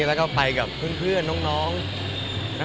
แล้วก็ไปกับเพื่อนน้องนักแสดง